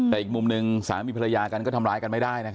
แต่อีกมุมหนึ่งสามีภรรยากันก็ทำร้ายกันไม่ได้